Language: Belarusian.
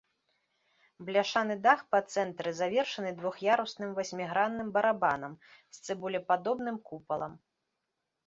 Бляшаны дах па цэнтры завершаны двух'ярусным васьмігранным барабанам з цыбулепадобным купалам.